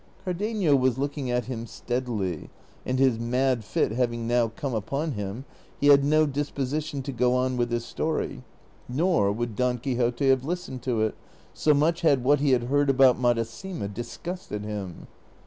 Cardenio was looking at him steadily, and his mad fit hav ing now come upon him, he had no disposition to go on with his story, nor would Don Quixote have listened to it, so much had what he had heard about Madasima disgusted him.